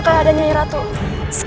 jangan menghancurkan dukunganmu